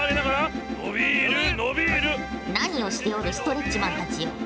何をしておるストレッチマンたちよ。